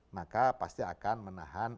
maka pasti akan menahan